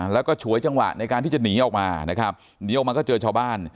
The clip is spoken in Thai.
แล้วก็ฉวยจังหวะในการที่จะหนีออกมานะครับเดี๋ยวออกมาก็เจอชาวบ้าน